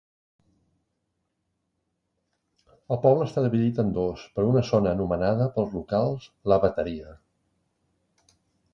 El poble està dividit en dos per una zona anomenada pels locals "la bateria".